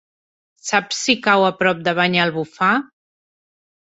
Saps si cau a prop de Banyalbufar?